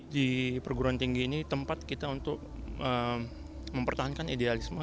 di perguruan tinggi ini tempat kita untuk mempertahankan idealisme